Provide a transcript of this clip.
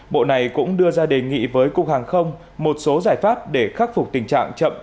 bộ này cũng đưa ra đề nghị với cục hàng không một số giải pháp để khắc phục tình trạng chậm